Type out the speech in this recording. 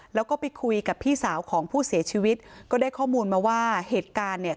แล้วก็ไปคุยกับพี่สาวของผู้เสียชีวิตก็ได้ข้อมูลมาว่าเหตุการณ์เนี่ย